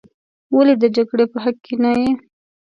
ولې د جګړې په حق کې نه یې.